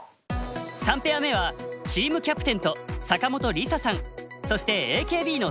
３ペア目はチームキャプテンと坂本リサさんそしてＡＫＢ４８の齋藤さんが登場。